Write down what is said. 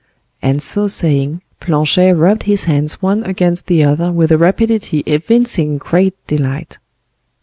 And so saying, Planchet rubbed his hands one against the other with a rapidity evincing great delight.